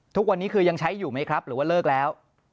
ทุกวันนี้คือยังใช้อยู่ไหมครับหรือว่าเลิกแล้ว